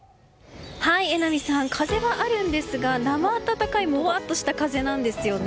榎並さん、風はあるんですが生暖かいもわっとした風なんですよね。